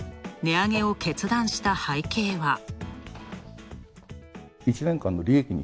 値上げを決断した背景は。